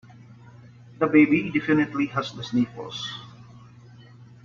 The baby definitely has the sniffles.